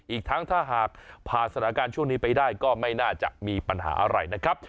อีกทั้งถ้าหากผ่านสถานการณ์ช่วงนี้ไปได้ก็ไม่น่าจะมีปัญหาอะไรนะครับ